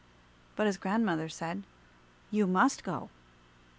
But his grandmother said, "You must go."